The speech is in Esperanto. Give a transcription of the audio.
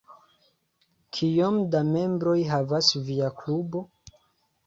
Kiom da membroj havas via klubo?